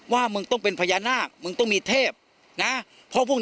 ว่ามึงต้องเป็นพญานาคมึงต้องมีเทพ